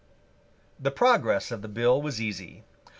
The progress of the bill was easy.